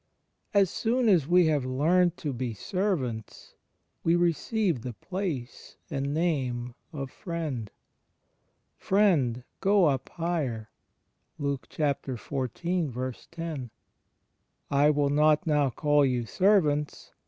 As soon as we have learnt to be ser vants we receive the place and name of Friend. " Friend, go up higher." ^... "I will not now call you servants